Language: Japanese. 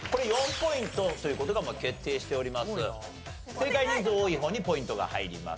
正解人数多い方にポイントが入ります。